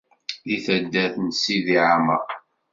Deg taddart n Tizi Ɛammer.